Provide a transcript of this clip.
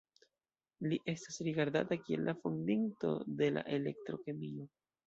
Li estas rigardata kiel la fondinto de la elektro-kemio.